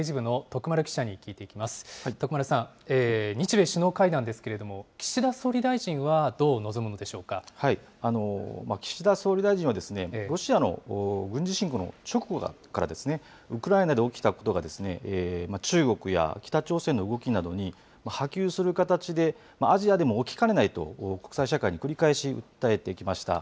徳丸さん、日米首脳会談ですけれども、岸田総理大臣はどう臨むん岸田総理大臣は、ロシアの軍事侵攻の直後から、ウクライナで起きたことが、中国や北朝鮮の動きなどに波及する形で、アジアでも起きかねないと、国際社会に繰り返し訴えてきました。